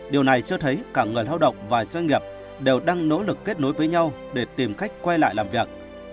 điều này cho thấy cả người lao động và doanh nghiệp đều đang nỗ lực kết nối với nhau để tìm cách quay lại làm việc